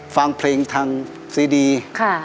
ฟังเพลงทางซีดี